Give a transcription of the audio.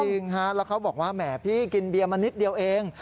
จริงฮะแล้วเขาบอกว่าแหมพี่กินเบียร์มานิดเดียวเอง